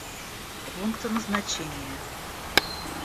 Пункты назначения